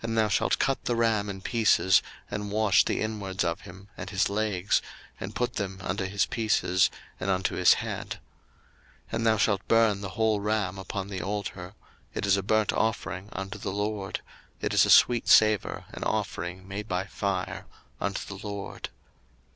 02:029:017 And thou shalt cut the ram in pieces, and wash the inwards of him, and his legs, and put them unto his pieces, and unto his head. 02:029:018 And thou shalt burn the whole ram upon the altar: it is a burnt offering unto the LORD: it is a sweet savour, an offering made by fire unto the LORD.